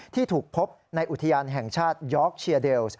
ที่ถูกพบในอุทยานแห่งชาติยอร์กเชียเดลส์